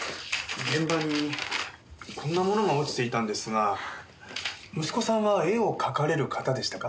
現場にこんなものが落ちていたんですが息子さんは絵を描かれる方でしたか？